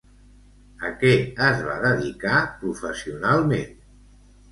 A què es va dedicar professionalment?